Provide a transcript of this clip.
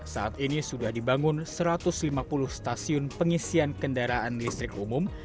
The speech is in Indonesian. saat ini sudah dibangun satu ratus lima puluh stasiun pengisian kendaraan listrik umum